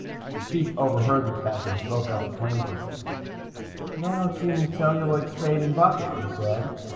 The Chief overheard the tech, and spoke up plaintively. "But I don't see any celluloid spade and bucket," he said.